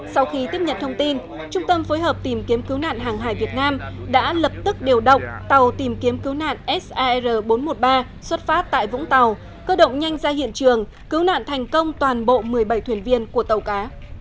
sau khi tiếp nhận thông tin trung tâm phối hợp tìm kiếm cứu nạn hàng hải việt nam đã lập tức điều động tàu tìm kiếm cứu nạn sar bốn trăm một mươi ba xuất phát tại vũng tàu cơ động nhanh ra hiện trường cứu nạn thành công toàn bộ một mươi bảy thuyền viên của tàu cá